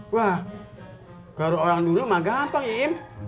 wah karo orang dulu mah gampang im